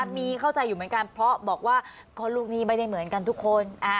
มีเข้าใจอยู่เหมือนกันเพราะบอกว่าลูกนี้ไม่ได้เหมือนกันทุกคน